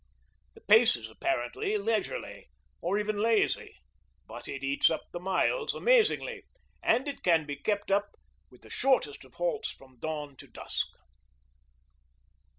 The pace is apparently leisurely, or even lazy, but it eats up the miles amazingly, and it can be kept up with the shortest of halts from dawn to dusk.